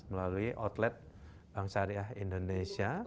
melalui outlet bank syariah indonesia